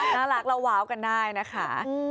น่ารักเราว้าวกันได้นะคะ